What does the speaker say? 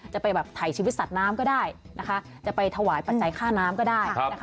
จะไปแบบถ่ายชีวิตสัตว์น้ำก็ได้นะคะจะไปถวายปัจจัยค่าน้ำก็ได้นะคะ